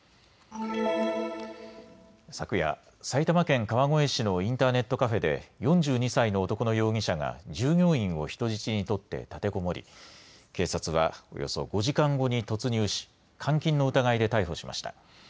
昨夜、埼玉県川越市のインターネットカフェで４２歳の男の容疑者が従業員を人質に取って立てこもり警察はおよそ５時間後に突入し監禁の疑いで逮捕しました。